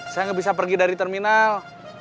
saya nggak bisa pergi dari terminal